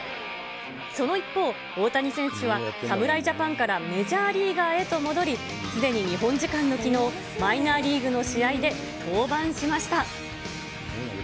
その一方、大谷選手は、侍ジャパンからメジャーリーガーへと戻り、すでに日本時間のきのう、マイナーリーグの試合で登板しました。